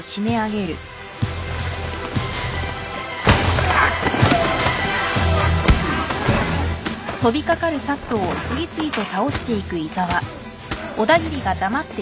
うわうっ。